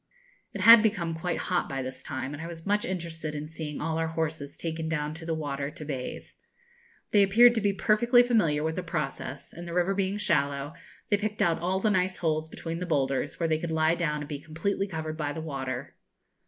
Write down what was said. It had become quite hot by this time, and I was much interested in seeing all our horses taken down to the water to bathe. They appeared to be perfectly familiar with the process; and, the river being shallow, they picked out all the nice holes between the boulders, where they could lie down and be completely covered by the water.